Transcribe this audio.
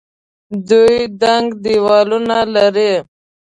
دوی دنګ دیوالونه لري.